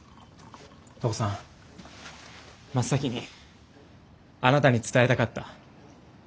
父さん真っ先にあなたに伝えたかった。